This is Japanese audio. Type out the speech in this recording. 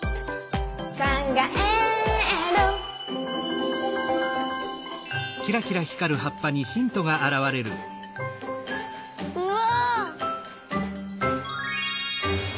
「かんがえる」うわ！